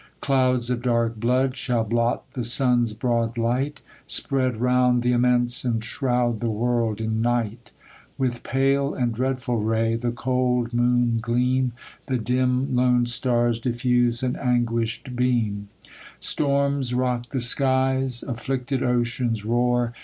Clouds of dark blood shall blot the sun's broad light, Spread round th' immense, and shroud the Avorld in night ; With pale and dreadful ray, the cold moon gleam ; The dim, lone stars diffuse an anguish'd beam ; Storms rock the skies ; afflicted oceans roar.